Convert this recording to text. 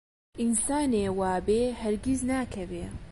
ئینسانێ وابێ هەرگیز ناکەوێ